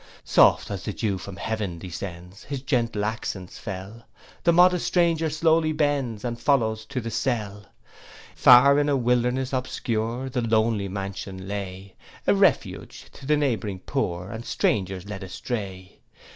Soft as the dew from heav'n descends, His gentle accents fell: The modest stranger lowly bends, And follows to the cell. Far in a wilderness obscure The lonely mansion lay; A refuge to the neighbouring poor, And strangers led astray.